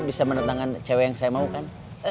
bisa menentangkan cewek yang saya mau kan